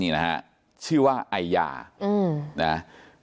นี่นะฮะชื่อว่าไอยานะ